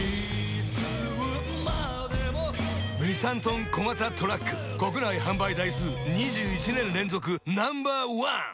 ２、３ｔ小型トラック国内販売台数２１年連続ナンバーワン。